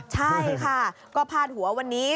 ใช่ค่ะก็พาดหัววันนี้